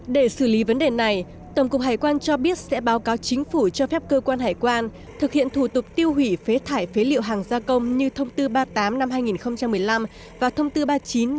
để xử lý vấn đề này tổng cục hải quan cho biết sẽ báo cáo chính phủ cho phép cơ quan hải quan thực hiện thủ tục tiêu hủy phế thải phế liệu hàng gia công như thông tư ba mươi tám hai nghìn một mươi năm và thông tư ba mươi chín hai nghìn một mươi tám của bộ tài chính